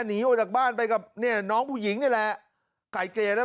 หนีออกจากบ้านไปกับเนี่ยน้องผู้หญิงนี่แหละไก่เกลี่ยแล้ว